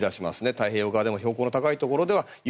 太平洋側でも標高の高いところでは雪。